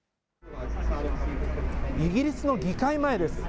イギリスの議会前です。